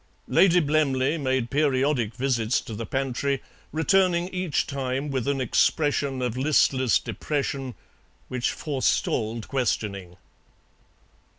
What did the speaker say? Lady Blemley made periodic visits to the pantry, returning each time with an expression of listless depression which forestalled questioning.